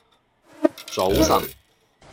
早晨